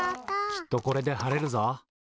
きっとこれではれるぞ。